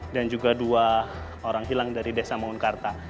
dan juga dua orang hilang dari desa maungkarta